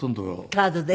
カードで？